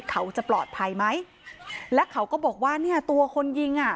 เขาจะปลอดภัยไหมแล้วเขาก็บอกว่าเนี่ยตัวคนยิงอ่ะ